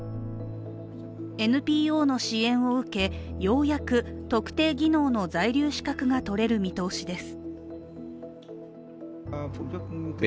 ＮＰＯの支援を受け、ようやく特定技能の在留資格が取れる見通しです。